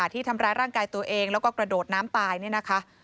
ที่ทำร้ายร่างกายตัวเองแล้วก็กระโดดน้ำตายเนี่ยนะคะ